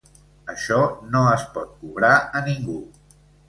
Això no es pot cobrar a ningú.